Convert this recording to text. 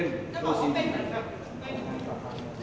เงินฝรั่งใจเงินมา